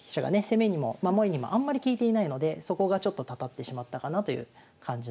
攻めにも守りにもあんまり利いていないのでそこがちょっとたたってしまったかなという感じの手順でした。